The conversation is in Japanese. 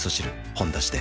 「ほんだし」で